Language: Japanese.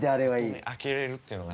あとね開けれるっていうのが。